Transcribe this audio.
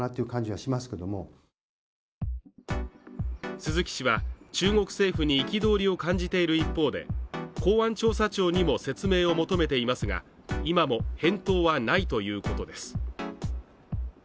鈴木氏は中国政府に憤りを感じている一方で、公安調査庁にも説明を求めていますが、今も返答はないということです。